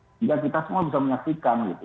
sehingga kita semua bisa menyaksikan gitu